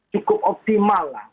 cukup optimal lah